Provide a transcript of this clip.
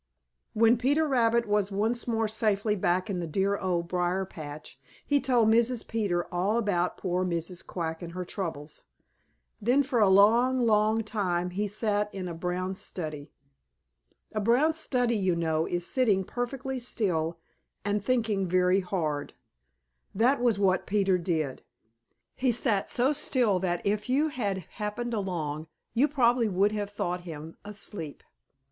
When Peter Rabbit was once more safely back in the dear Old Briar patch, he told Mrs. Peter all about poor Mrs. Quack and her troubles. Then for a long, long time he sat in a brown study. A brown study, you know, is sitting perfectly still and thinking very hard. That was what Peter did. He sat so still that if you had happened along, you probably would have thought him asleep.